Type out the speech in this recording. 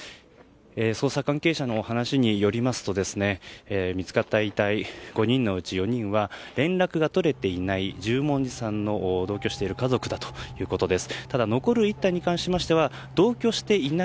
捜査関係者の話によりますと見つかった遺体５人のうち４人は連絡が取れていない十文字さんの同居している家族だということです。